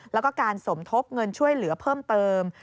แล้วก็การสมทบเงินช่วยเหลือเพิ่มเติม